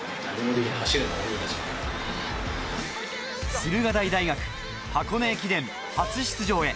駿河台大学、箱根駅伝初出場へ。